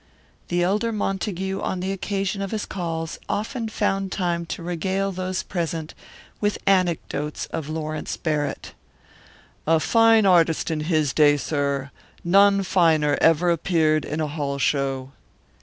The elder Montague on the occasion of his calls often found time to regale those present with anecdotes of Lawrence Barrett. "A fine artist in his day, sir; none finer ever appeared in a hall show."